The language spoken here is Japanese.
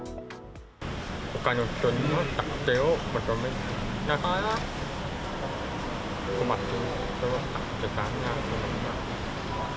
ほかの人にも助けを求めながら、困っている人を助けたいなと思います。